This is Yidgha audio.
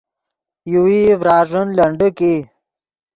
یوویئی ڤراݱین لنڈیک ای